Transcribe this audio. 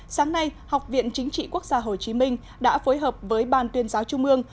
sáng nay học viện chính trị quốc gia hồ chí minh đã phối hợp với ban tuyên giáo trung ương